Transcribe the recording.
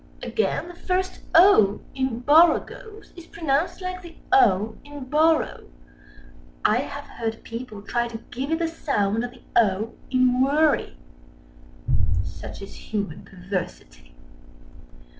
Again, the first "o" in "borogoves" is pronounced like the "o" in "borrow." I have heard people try to give it the sound of the "o" in "worry". Such is Human Perversity.